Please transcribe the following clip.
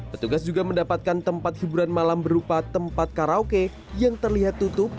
petugas juga mendapatkan tempat hiburan malam berupa tempat karaoke yang terlihat tutup